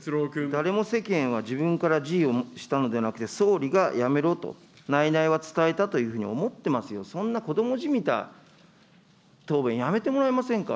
誰も世間は自分から辞意をしたのではなくて、総理が辞めろと内々は伝えたと思ってますよ、そんな子どもじみた答弁やめてもらえませんか。